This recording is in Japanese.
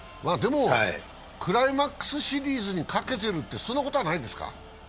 クライマックスシリーズにかけてるってことないですか？